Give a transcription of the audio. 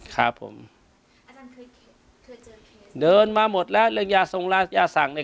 ครับผมเดินมาหมดแล้วเรื่องยาทรงราชยาสั่งเนี้ย